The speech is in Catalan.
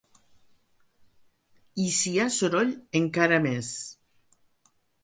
I si hi ha soroll encara més.